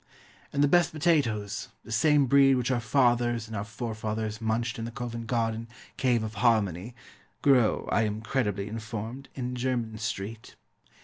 And the best potatoes, the same breed which our fathers and our forefathers munched in the Covent Garden "Cave of Harmony," grow, I am credibly informed, in Jermyn Street.